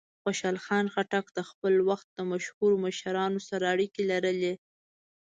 خوشحال خان خټک د خپل وخت د مشهورو مشرانو سره اړیکې لرلې.